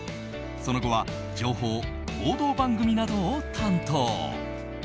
その後は情報・報道番組などを担当。